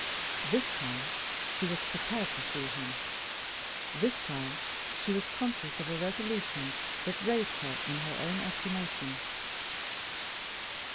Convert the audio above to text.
This time, she was prepared to see him; this time, she was conscious of a resolution that raised her in her own estimation.